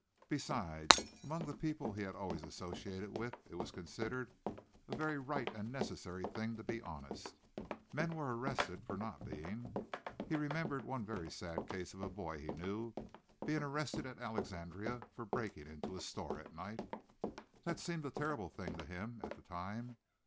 Besides, among the people he had always associated with it was considered a very right and necessary thing to be honest. Men were arrested for not being. He remembered one very sad case of a boy he knew being arrested at Alexandria for breaking into a store at night. That seemed a terrible thing to him at the time.